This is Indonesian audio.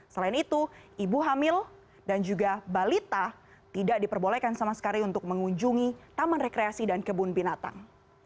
selain itu ibu hamil dan juga balita tidak diperbolehkan sama sekali untuk berada di dalam kebun binatang